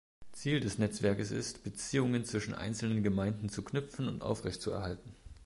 Ziel des Netzwerkes ist, Beziehungen zwischen einzelnen Gemeinden zu knüpfen und aufrechtzuerhalten.